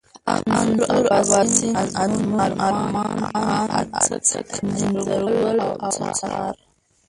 انځور ، اباسين ، ازمون ، ارمان ، اند، اڅک ، انځرگل ، اوڅار